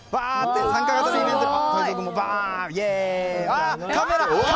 参加型のイベントで。